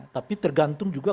tapi tergantung juga